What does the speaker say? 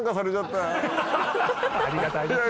ありがたいですね。